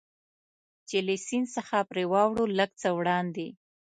چې له سیند څخه پرې واوړو، لږ څه وړاندې.